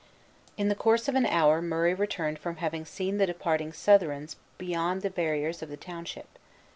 In the course of an hour Murray returned from having seen the departing Southrons beyond the barriers of the township.